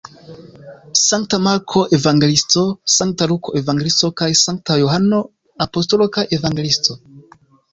Sankta Marko evangeliisto, Sankta Luko evangeliisto kaj Sankta Johano apostolo kaj evangeliisto.